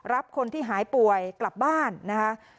รับคนที่หายป่วยกลับบ้านนะคะ